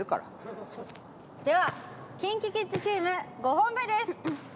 ではＫｉｎＫｉＫｉｄｓチーム５本目です。